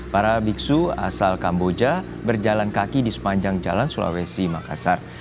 para biksu asal kamboja berjalan kaki di sepanjang jalan sulawesi makassar